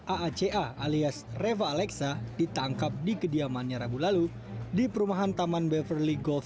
aaca alias reva alexa ditangkap di kediamannya rabu lalu di perumahan taman beverly golf